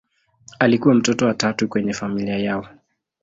Alikuwa mtoto wa tatu kwenye familia yao.